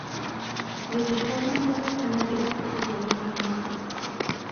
Desde joven fue reconocido por sus logros aeronáuticos.